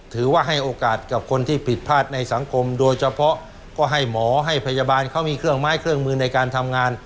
ให้โอกาสกับคนที่ผิดพลาดในสังคมโดยเฉพาะก็ให้หมอให้พยาบาลเขามีเครื่องไม้เครื่องมือในการทำงาน